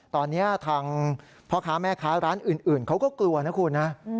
ตอนนี้ทางพ่อค้าแม่ค้าร้านอื่นเขาก็กลัวนะคุณนะ